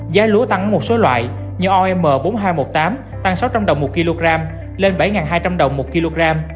giá lúa tăng ở một số loại như om bốn nghìn hai trăm một mươi tám tăng sáu trăm linh đồng một kg lên bảy hai trăm linh đồng một kg